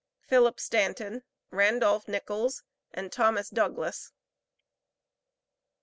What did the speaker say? PHILIP STANTON, RANDOLPH NICHOLS, AND THOMAS DOUGLASS.